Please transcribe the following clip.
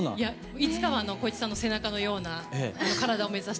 いつかは光一さんの背中のような体を目指して。